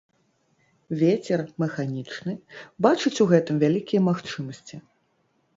Вецер Мэханічны бачыць у гэтым вялікія магчымасьці